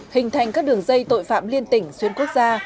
hình thành các đường dây tội phạm liên tỉnh xuyên quốc gia